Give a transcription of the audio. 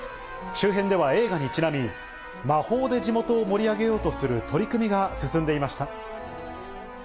周辺では映画にちなみ、魔法で地元を盛り上げようとする取り組みが進んでいました。